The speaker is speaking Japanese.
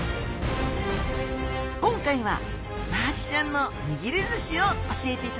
今回はマアジちゃんの握り寿司を教えていただきますよ！